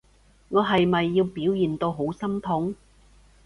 我係咪要表現到好心痛？